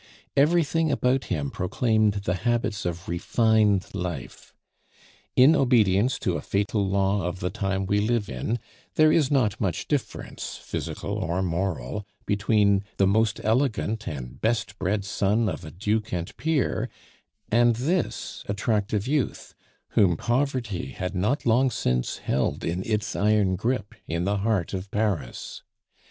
Everything about him proclaimed the habits of refined life. In obedience to a fatal law of the time we live in, there is not much difference, physical or moral, between the most elegant and best bred son of a duke and peer and this attractive youth, whom poverty had not long since held in its iron grip in the heart of Paris.